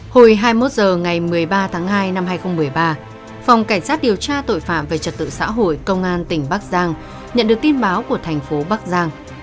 hồi hai mươi một h ngày một mươi ba tháng hai năm hai nghìn một mươi ba phòng cảnh sát điều tra tội phạm về trật tự xã hội công an tỉnh bắc giang nhận được tin báo của thành phố bắc giang